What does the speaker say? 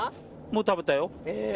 もう食べたよ。